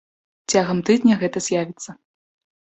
Цягам тыдня гэта з'явіцца.